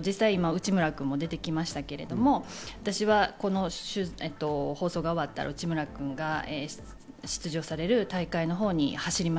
実際、内村君も出てきましたけど、私はこの放送が終わったら、内村君が出場される大会のほうに走ります。